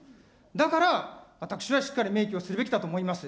だから私はしっかり明記をするべきだと思います。